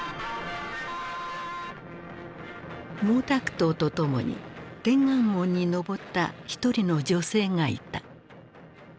毛沢東と共に天安門に上った１人の女性がいた。